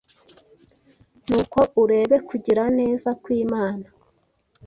Nuko urebe kugira neza kw’Imana